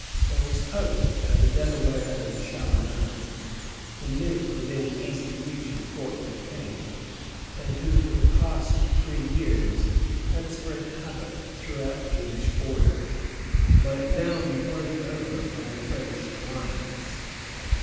There was hope that the Delawares and Shawanoes, who lived within easy reach of Fort Duquesne, and who for the past three years had spread havoc throughout the English border, might now be won over from the French alliance.